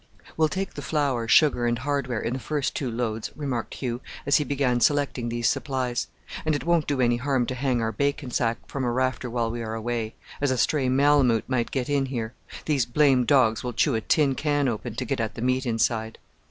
"We'll take the flour, sugar, and hardware in the first two loads," remarked Hugh, as he began selecting these supplies; "and it won't do any harm to hang our bacon sack from a rafter while we are away, as a stray malamoot might get in here. These blamed dogs will chew a tin can open to get at the meat inside."